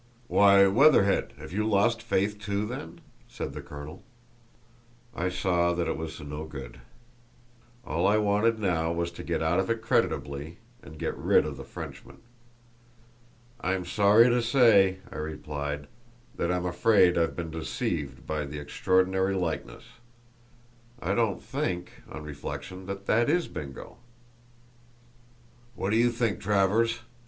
"Why, Weatherhead, have you lost faith too, then?" said the colonel. I saw it was no good; all I wanted now was to get out of it creditably and get rid of the Frenchman. "I'm sorry to say," I replied, "that I'm afraid I've been deceived by the extraordinary likeness. I don't think, on reflection, that that is Bingo!" "What do you think, Travers?"